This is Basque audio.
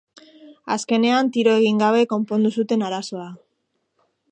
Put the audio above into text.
Azkenean tiro egin gabe konpondu zuten arazoa.